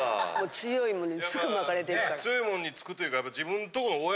強い者にすぐ巻かれていくから。